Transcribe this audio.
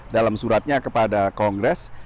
dalam suratnya kepada kongres